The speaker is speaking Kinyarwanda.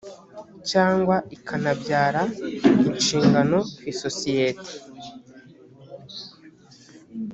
cyangwa ikanabyara inshingano ku isosiyete